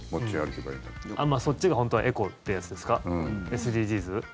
ＳＤＧｓ？